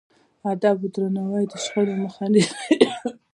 ادب او درناوی د شخړو مخه نیسي.